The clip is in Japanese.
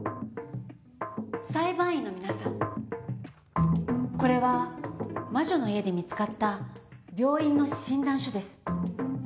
裁判員の皆さんこれは魔女の家で見つかった病院の診断書です。